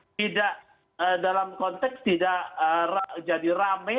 tidak dalam konteks tidak jadi rame